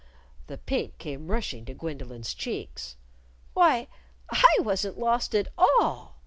The pink came rushing to Gwendolyn's cheeks. "Why, I wasn't lost at all!"